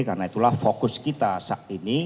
karena itulah fokus kita saat ini